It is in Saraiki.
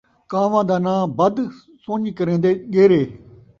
کان٘واں دا ناں بد ، سن٘ڄ کرین٘دے ڳیرے